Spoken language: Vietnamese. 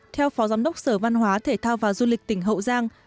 theo phó giám đốc sở văn hóa thể thao và du lịch tỉnh hậu giang